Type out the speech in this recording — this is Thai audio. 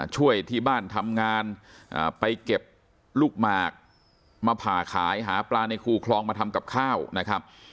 ช่วยที่บ้านทำงานไปเก็บลูกหมากมาผ่าขายหาปลาในคูคลองมาทำกับข้าวนะครับ